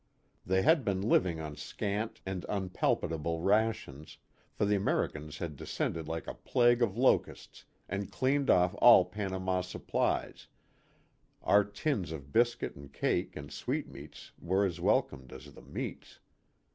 They had been living on scant and unpalatable rations, for the Amer icans had descended like a plague of locusts and cleaned off all Panama supplies our tins of i biscuit and cake and sweetmeats were as wel comed as the meats.